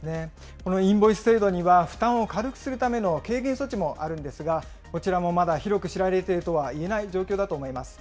このインボイス制度には、負担を軽くするための軽減措置もあるんですが、こちらもまだ広く知られているとはいえない状況だと思います。